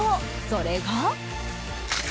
それが。